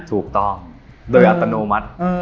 ถูกต้องโดยอัตโนมัติ